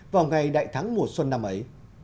vào ngày đại thắng mùa xuân năm ấy